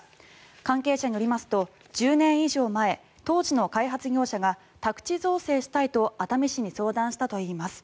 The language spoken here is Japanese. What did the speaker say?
関係者によりますと１０年以上前、当時の開発業者が宅地造成したいと熱海市に相談したといいます。